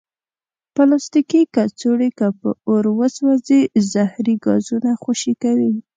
پلاستيکي کڅوړې که په اور وسوځي، زهري ګازونه خوشې کوي.